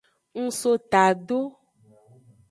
Ng so tado.